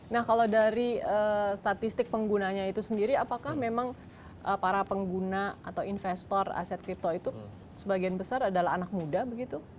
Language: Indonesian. nah kalau dari statistik penggunanya itu sendiri apakah memang para pengguna atau investor aset kripto itu sebagian besar adalah anak muda begitu